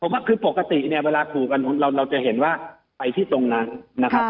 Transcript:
ก็คือปกติเนี่ยเวลาขู่กันเราจะเห็นว่าไปที่ตรงนั้นนะครับ